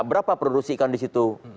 berapa produksi ikan di situ